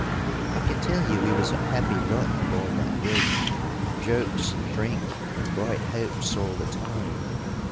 "I can tell you we was a happy lot aboard that brig, jokes and drink and bright hopes all the time.